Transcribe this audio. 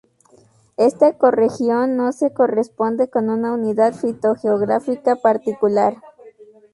Esta ecorregión no se corresponde con una unidad fitogeográfica particular.